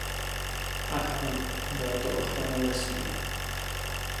Ach ano, byla to ochrana lesů.